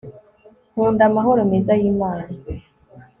nkunda, amahoro meza y'imana